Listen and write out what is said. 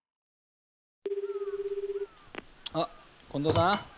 あっ近藤さん？